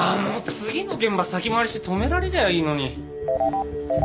次の現場先回りして止められりゃいいのに。